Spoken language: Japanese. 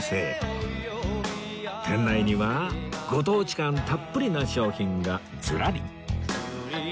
店内にはご当地感たっぷりの商品がずらり